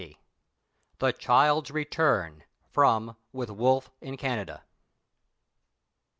] *THE CHILD'S RETURN.* *FROM "WITH WOLFE IN CANADA."